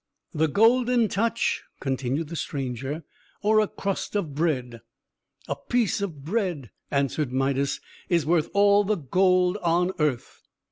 "The Golden Touch," continued the stranger, "or a crust of bread?" "A piece of bread," answered Midas, "is worth all the gold on earth!"